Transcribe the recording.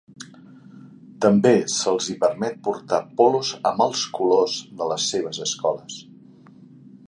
També se'ls hi permet portar polos amb els colors de les seves escoles.